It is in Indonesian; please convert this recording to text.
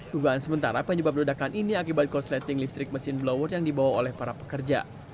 dugaan sementara penyebab ledakan ini akibat korsleting listrik mesin blower yang dibawa oleh para pekerja